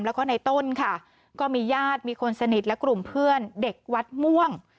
แล้วก็ในต้นค่ะก็มีญาติมีคนสนิทและกลุ่มเพื่อนเด็กวัดม่วง